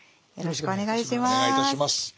よろしくお願いします。